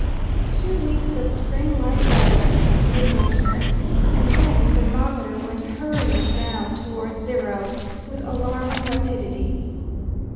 TWO weeks of spring like weather in mid winter, and then the thermometer went hurrying down towards zero with alarming rapidity.